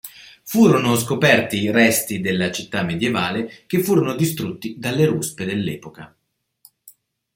Furono scoperti resti della città medievale, che furono distrutti dalle ruspe dell'epoca.